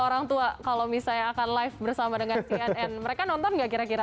orang tua kalau misalnya akan live bersama dengan cnn mereka nonton nggak kira kira